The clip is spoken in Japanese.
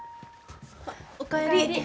お帰り。